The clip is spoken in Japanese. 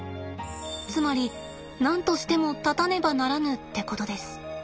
つまり何としても立たねばならぬってことです。